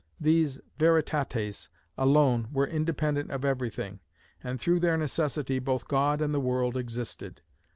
These veritates alone were independent of everything, and through their necessity both God and the world existed.